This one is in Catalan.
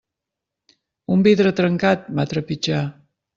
Un vidre trencat, va trepitjar.